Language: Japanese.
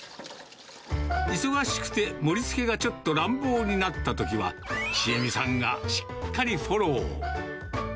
忙しくて盛りつけがちょっと乱暴になったときは、千栄美さんがしっかりフォロー。